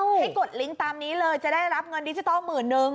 ให้กดลิงค์ตามนี้เลยจะได้รับเงินดิจิทัลหมื่นนึง